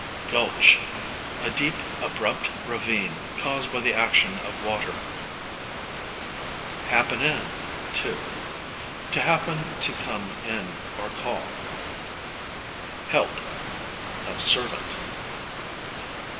Gulch, a deep abrupt ravine, caused by the action of water. Happen in, to; to happen to come in or call. Help, a servant.